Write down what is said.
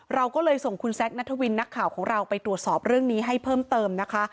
เราก็เลยส่งคุณแซคนัทวินนักข่าวของเราไปตรวจสอบเรื่องนี้ให้เพิ่มเติมนะคะ